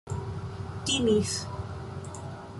timis